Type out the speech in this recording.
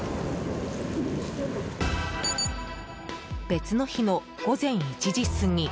別の日の午前１時過ぎ。